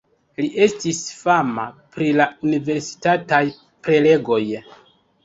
Li estis fama pri la universitataj prelegoj.